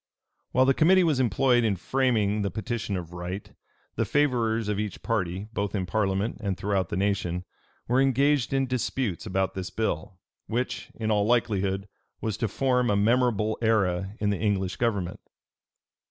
While the committee was employed in framing the petition of right, the favorers of each party, both in parliament and throughout the nation, were engaged in disputes about this bill, which, in all likelihood, was to form a memorable era in the English government.